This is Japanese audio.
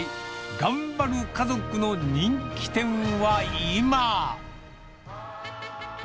頑張る家族の人気店はいま。